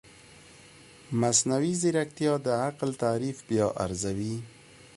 مصنوعي ځیرکتیا د عقل تعریف بیا ارزوي.